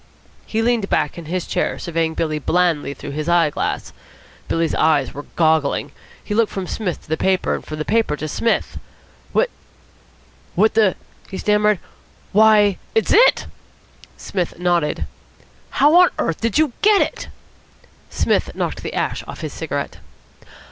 He leaned back in his chair, surveying Billy blandly through his eye glass. Billy's eyes were goggling. He looked from Psmith to the paper and from the paper to Psmith. "What what the ?" he stammered. "Why, it's it!" Psmith nodded. "How on earth did you get it?" Psmith knocked the ash off his cigarette.